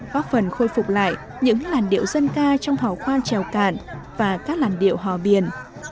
góp phần khôi phục lại những làn điệu dân ca trong hò khoan trèo cạn và các làn điệu hò biển